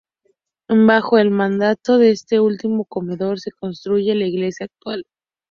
Bajo el mandato de este último comendador se construye la iglesia actual.